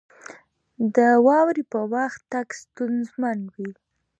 • د واورې پر وخت تګ ستونزمن وي.